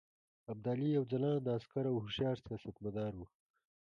ابدالي یو ځلانده عسکر او هوښیار سیاستمدار وو.